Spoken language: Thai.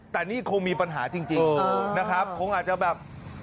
แต่นี่คงมีปัญหาจริงนะครับคงอาจจะแบบ